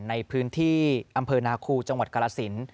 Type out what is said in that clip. ในพื้นที่อำเภอนาคูจังหวัดกรสิน